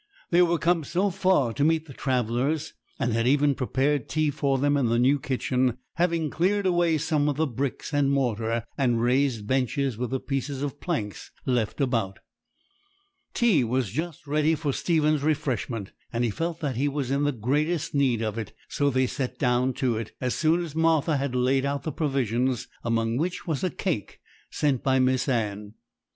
They were come so far to meet the travellers, and had even prepared tea for them in the new kitchen, having cleared away some of the bricks and mortar, and raised benches with the pieces of planks left about. Tea was just ready for Stephen's refreshment, and he felt that he was in the greatest need of it; so they sat down to it as soon as Martha had laid out the provisions, among which was a cake sent by Miss Anne.